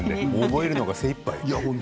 覚えるのが精いっぱい。